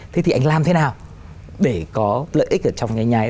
thế thì anh làm thế nào để có lợi ích ở trong ngành nhà ấy